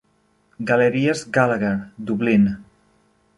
Galeries Gallagher, Dublín.